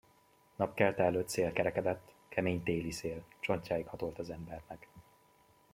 Napkelte előtt szél kerekedett, kemény téli szél, csontjáig hatolt az embernek.